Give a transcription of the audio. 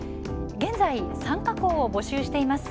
現在、参加校を募集しています。